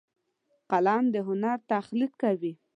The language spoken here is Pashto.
قلم د هنر تخلیق کوي